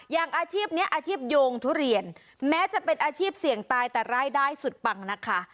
อย่างอาชีพนี้อาชีพโยงทุเรียนแม้จะเป็นอาชีพเสี่ยงตายแต่รายได้สุดปังนะคะ